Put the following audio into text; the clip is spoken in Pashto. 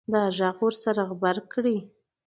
چې دا غږ ورسره غبرګ کړي.